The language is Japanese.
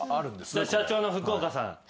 社長の福岡さん